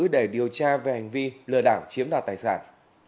để điều tra về hành vi lừa đảo chiếm đoạt tài sản